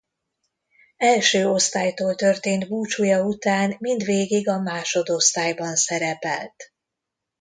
Első osztálytól történt búcsúja után mindvégig a másodosztályban szerepelt.